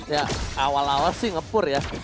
ya awal awal sih nge pur ya